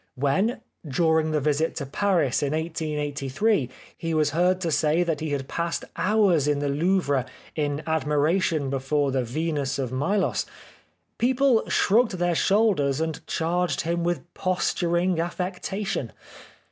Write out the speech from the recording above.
When, during the visit to Paris in 1883, he was heard to say that he had passed hours in the Louvre in admiration before the Venus of Milos, people shrugged their shoulders and charged him with posturing affectation.